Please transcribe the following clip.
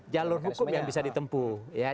jalur hukum yang bisa ditempuh ya